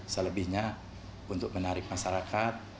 selebihnya untuk menarik masyarakat